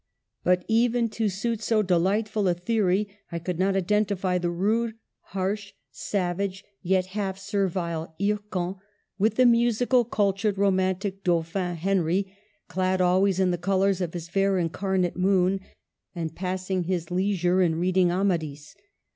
But, even to suit so delightful a theory, I could not identify the rude, harsh, savage, yet half servile Hircan with the musical, cultured, romantic Dauphin Henry, clad always in the colors of his fair incarnate moon, and passing his leisure in reading " Amadis."